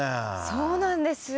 そうなんですよ。